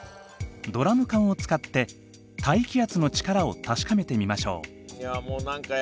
ドラム缶を使って大気圧の力を確かめてみましょう。